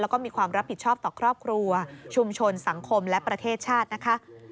แล้วก็มีความรับผิดชอบต่อครอบครัวชุมชนสังคมและประเทศชาตินะคะ